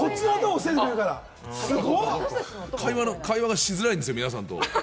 会話がしづらいんですよ、皆さんと。